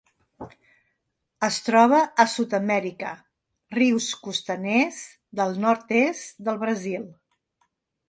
Es troba a Sud-amèrica: rius costaners del nord-est del Brasil.